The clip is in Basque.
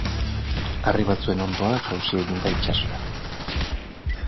Harri batzuen ondoan jausi egin da itsasora.